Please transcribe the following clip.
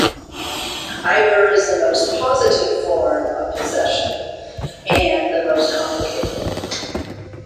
"Ibbur" is the most positive form of possession, and the most complicated.